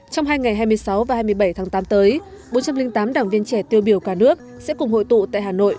trong hai ngày hai mươi sáu và hai mươi bảy tháng tám tới bốn trăm linh tám đảng viên trẻ tiêu biểu cả nước sẽ cùng hội tụ tại hà nội